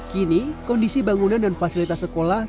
kini kondisi bangunan dan fasilitas sekolah